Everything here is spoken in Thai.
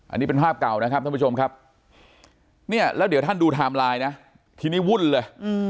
อันนี้เป็นภาพเก่านะครับท่านผู้ชมครับเนี่ยแล้วเดี๋ยวท่านดูไทม์ไลน์นะทีนี้วุ่นเลย